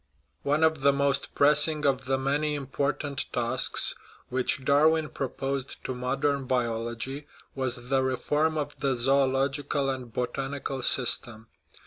One of the most pressing of the many important tasks which Darwin proposed to modern biology was the reform of the zoological and botanical system.